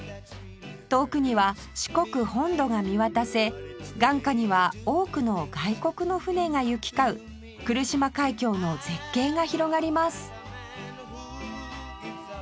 遠くには四国本土が見渡せ眼下には多くの外国の船が行き交う来島海峡の絶景が広がります